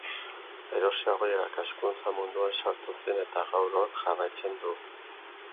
Geroxeago irakaskuntza munduan sartu zen eta gaur hor jarraitzen du.